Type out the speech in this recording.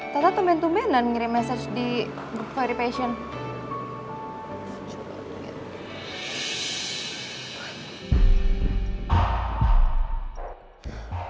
tata temen temenan ngirim message di very patient